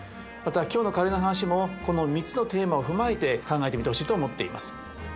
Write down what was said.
また今日のカレーの話もこの３つのテーマを踏まえて考えてみてほしいと思っています。